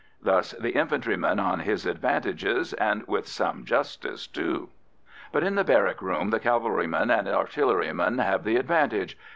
Thus the infantryman on his advantages, and with some justice, too. But in the barrack room the cavalryman and artilleryman have the advantage.